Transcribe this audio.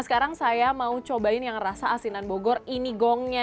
sekarang saya mau cobain yang rasa asinan bogor ini gongnya